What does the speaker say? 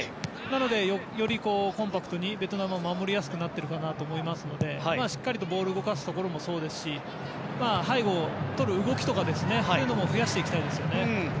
なので、よりコンパクトにベトナムは守りやすくなっているかなと思いますのでしっかりとボールを動かすところもそうですし背後をとる動きとかも増やしていきたいですよね。